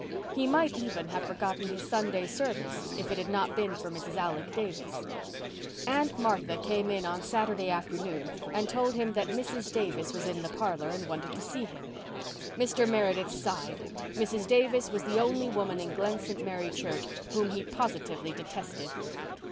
He might even have forgotten his Sunday service if it had not been for Mrs. Alec Davis. Aunt Martha came in on Saturday afternoon and told him that Mrs. Davis was in the parlour and wanted to see him. Mr. Meredith sighed. Mrs. Davis was the only woman in Glen St. Mary church whom he positively detested.